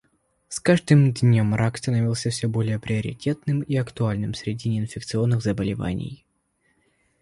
С каждым днем рак становится все более приоритетным и актуальным среди неинфекционных заболеваний.